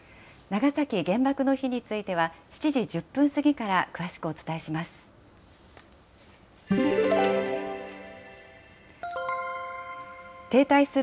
長崎原爆の日については、７時１０分過ぎから詳しくお伝えします。